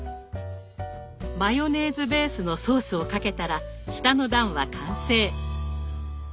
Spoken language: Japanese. マヨネーズベースのソースをかけたら下の段は完成。